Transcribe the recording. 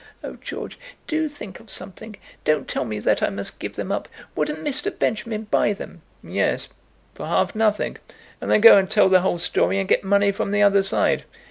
Oh, George, do think of something! Don't tell me that I must give them up! Wouldn't Mr. Benjamin buy them?" "Yes; for half nothing; and then go and tell the whole story and get money from the other side.